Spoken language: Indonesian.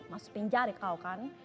masuk penjara kau kan